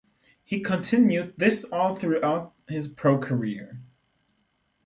He continued this all throughout his pro career.